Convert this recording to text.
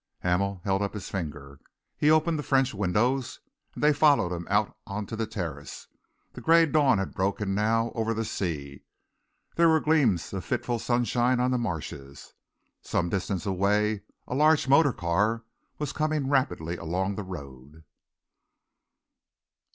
Hamel held up his finger. He opened the French windows, and they followed him out on to the terrace. The grey dawn had broken now over the sea. There were gleams of fitful sunshine on the marshes. Some distance away a large motor car was coming rapidly along the road.